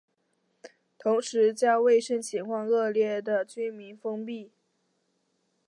同时将卫生情况恶劣的民居封闭。